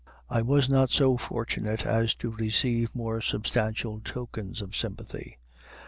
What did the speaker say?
I was not so fortunate as to receive more substantial tokens of sympathy.